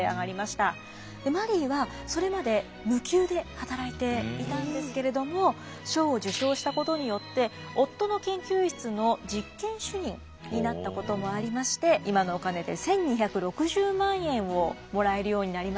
マリーはそれまで無給で働いていたんですけれども賞を受賞したことによって夫の研究室の実験主任になったこともありまして今のお金で１，２６０万円をもらえるようになりました。